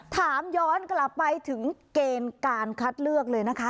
ถามย้อนกลับไปถึงเกณฑ์การคัดเลือกเลยนะคะ